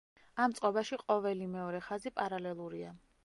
ამ წყობაში ყოველი მეორე ხაზი პარალელურია.